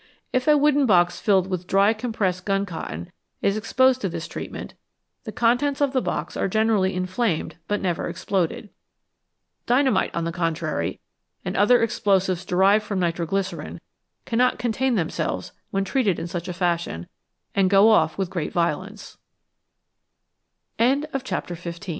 If a wooden box filled with dry compressed gun cotton is exposed to this treatment, the contents of the box are generally inflamed but never exploded. Dynamite, on the contrary, and other explosives derived from nitro glycerine, cannot contain themselves when treated in such a fashion, and go of